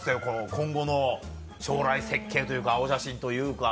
今後の将来設計というか青写真というか。